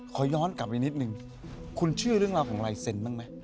ขอย้อนกลับไปนิดนึงคุณเชื่อเรื่องราวของลายเซ็นต์บ้างไหม